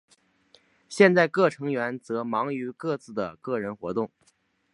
现在各成员则忙于各自的个人活动。